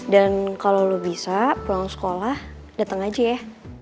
dan kalau lo bisa pulang sekolah datang aja ya